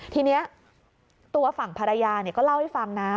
ทีนี้ตัวฝั่งภรรยาก็เล่าให้ฟังนะ